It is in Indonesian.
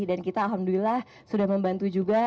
dan kita alhamdulillah sudah membantu juga